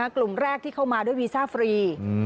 กลุ่มแรกที่เข้ามาด้วยวีซ่าฟรี